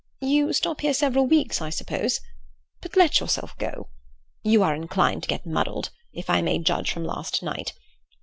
You stop here several weeks, I suppose? But let yourself go. You are inclined to get muddled, if I may judge from last night.